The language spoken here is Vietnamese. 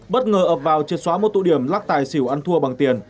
bất ngờ ập vào triệt xóa một tụ điểm lắc tài xỉu ăn thua bằng tiền